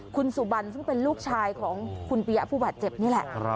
คุณสุบันซึ่งเป็นลูกชายของคุณปียะผู้บาดเจ็บนี่แหละ